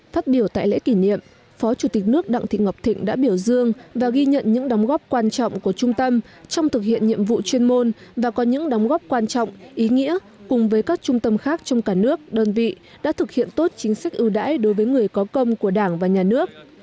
phát biểu tại lễ kỷ niệm phó chủ tịch nước đặng thị ngọc thịnh đã biểu dương và ghi nhận những đóng góp quan trọng của trung tâm trong thực hiện nhiệm vụ chuyên môn và có những đóng góp quan trọng ý nghĩa cùng với các trung tâm khác trong cả nước đơn vị đã thực hiện tốt chính sách ưu đãi đối với người có công của đảng và nhà nước